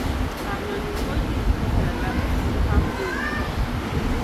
Barinanim ŋɔ yiri zahara la saha kɔŋkɔba.